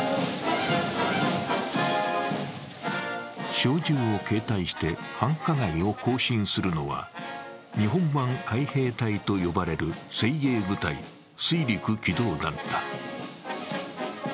小銃を携帯して繁華街を行進するのは、日本版海兵隊と呼ばれる精鋭部隊、水陸機動団だ。